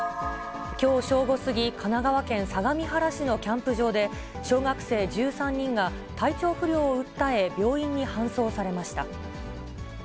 きょう正午過ぎ、神奈川県相模原市のキャンプ場で、小学生１３人が、体調不良を訴え、病院に搬送されました。